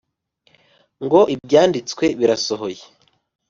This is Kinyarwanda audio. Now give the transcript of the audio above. ngo ibyanditswe birasohoye